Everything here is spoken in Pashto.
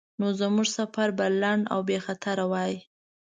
نو زموږ سفر به لنډ او بیخطره وای.